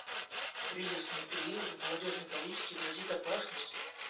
В кризисные периоды молодежной политике грозит опасность.